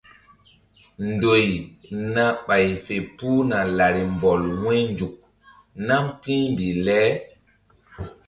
Ndoy na ɓay fe puhna larimbɔl wu̧ynzuk nam ti̧hmbih le.